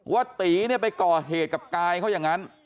ว่าตีเนี่ยไปก่อเหตุกับกายเขาอย่างนั้น